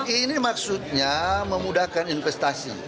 ini maksudnya memudahkan investasi